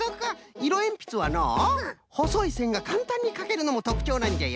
いろえんぴつはのうほそいせんがかんたんにかけるのもとくちょうなんじゃよ。